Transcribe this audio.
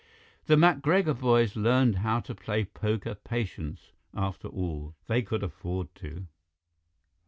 The MacGregor boys learned how to play poker patience; after all, they could afford to.